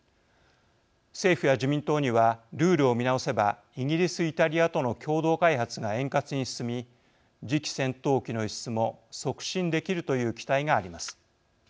政府や自民党にはルールを見直せばイギリス・イタリアとの共同開発が円滑に進み次期戦闘機の輸出も促進できるという期待があります。